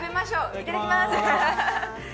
いただきます！